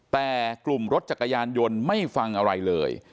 แต่กลุ่มรถจักรยานยนต์ไม่ฟังอะไรเลย